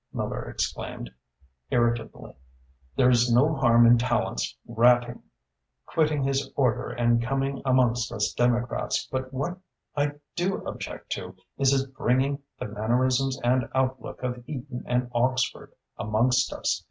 Miller exclaimed irritably. "There's no harm in Tallente's ratting, quitting his order and coming amongst us Democrats, but what I do object to is his bringing the mannerisms and outlook of Eton and Oxford amongst us.